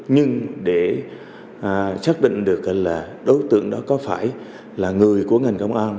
nhưng để xác định được là đối tượng đó có phải là người của ngành công an